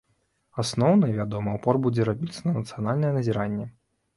Асноўны, вядома, упор будзе рабіцца на нацыянальнае назіранне.